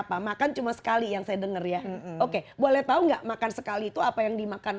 apa makan cuma sekali yang saya dengar ya oke boleh tahu enggak makan sekali itu apa yang dimakan